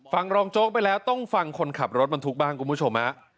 รองโจ๊กไปแล้วต้องฟังคนขับรถบรรทุกบ้างคุณผู้ชมฮะ